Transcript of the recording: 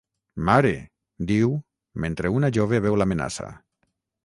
«Mare», diu, mentre una jove veu l'amenaça.